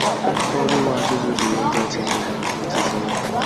通气管是指使用在潜艇的通气设备。